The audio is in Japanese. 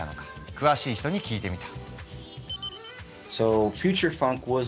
詳しい人に聞いてみた。